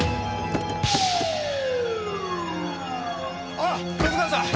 あっ十津川さん！